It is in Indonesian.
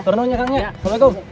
terungnya kak assalamualaikum